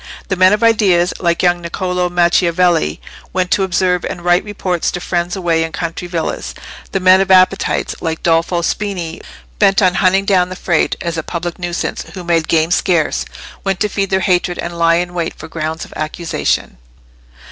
The men of ideas, like young Niccolò Macchiavelli, went to observe and write reports to friends away in country villas; the men of appetites, like Dolfo Spini, bent on hunting down the Frate, as a public nuisance who made game scarce, went to feed their hatred and lie in wait for grounds of accusation.